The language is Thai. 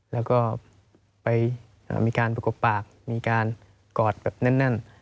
แล้วก็ไปมีการประกบปากมีการกอดแบบแน่น